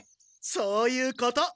そういうこと！